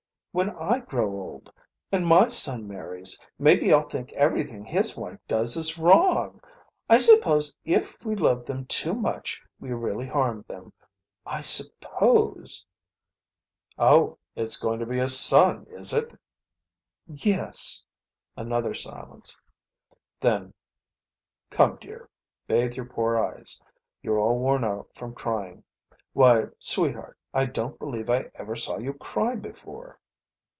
When I grow old, and my son marries, maybe I'll think everything his wife does is wrong. I suppose if we love them too much we really harm them. I suppose " "Oh, it's going to be a son, is it?" "Yes." Another silence. Then: "Come, dear. Bathe your poor eyes. You're all worn out from crying. Why, sweetheart, I don't believe I ever saw you cry before."